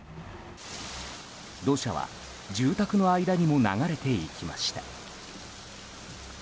土砂は住宅の間にも流れていきました。